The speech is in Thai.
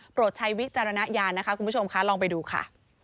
ใช้วิจารณญาณนะคะคุณผู้ชมคะลองไปดูค่ะ